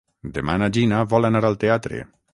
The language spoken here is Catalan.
Demà na Gina vol anar al teatre.